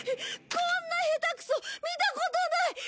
こんな下手くそ見たことない！